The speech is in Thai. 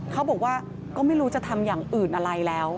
เขาบอกว่าก็ไม่รู้จะทำอย่างอื่นอะไรแล้ว